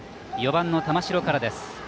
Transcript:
４番の玉城からです。